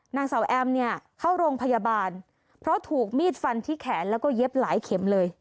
นางสาวแอมเนี่ยเข้าโรงพยาบาลเพราะถูกมีดฟันที่แขนแล้วก็เย็บหลายเข็มเลย